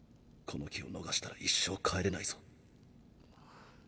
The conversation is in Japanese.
この機を逃したら一生帰れないぞ。